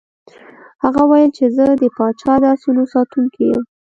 هغه وویل چې زه د پاچا د آسونو ساتونکی یم.